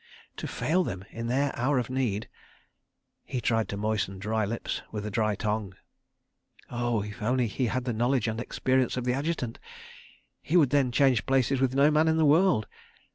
To fail them in their hour of need. ... He tried to moisten dry lips with a dry tongue. Oh, if only he had the knowledge and experience of the Adjutant—he would then change places with no man in the world.